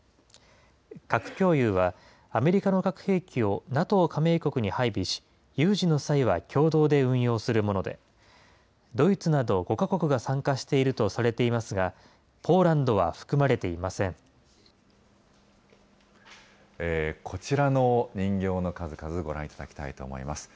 核共有は、アメリカの核兵器をＮＡＴＯ加盟国に配備し、有事の際は共同で運用するもので、ドイツなど５か国が参加しているとされていますが、ポーランドは含まれこちらの人形の数々、ご覧いただきたいと思います。